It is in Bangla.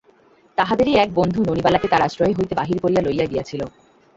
তাহাদেরই এক বন্ধু ননিবালাকে তার আশ্রয় হইতে বাহির করিয়া লইয়া গিয়াছিল।